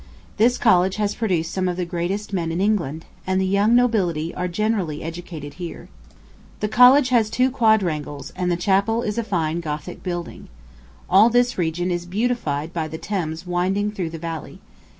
This college has produced some of the greatest men in England, and the young nobility are generally educated here. The college has two quadrangles, and the chapel is a fine Gothic building. All this region is beautified by the Thames winding through the valley.